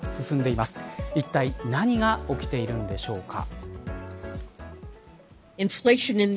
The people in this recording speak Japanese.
いったい何が起きているんでしょうか。